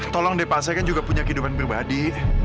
tolong deh pak saya kan juga punya kehidupan pribadi